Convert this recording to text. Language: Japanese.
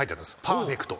パーフェクト。